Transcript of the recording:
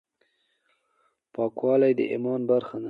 پاکواله د ایمان برخه ده.